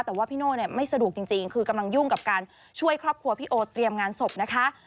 แต่ว่าพี่โน่เนี่ยไม่สะดวกจริงคือกำลังยุ่งกับการช่วยครอบครัวพี่โอเตรียมงานศพนะคะ